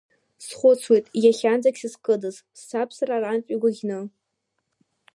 Схәыцуеит, иахьанӡагь сызкыдаз, сцап сара арантә игәаӷьны.